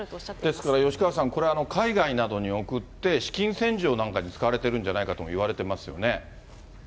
ですから吉川さん、これは海外などに送って、資金洗浄なんかに使われてるんじゃないかともいわれていますよね。